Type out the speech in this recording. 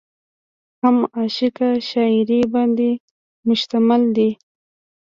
هم عشقيه شاعرۍ باندې مشتمل دي ۔